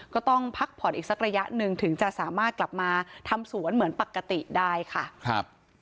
ก็ต้องพักผ่อนอีกสักระยะหนึ่งถึงจะสามารถกลับมาทำสวนเหมือนปกติได้ค่ะครับ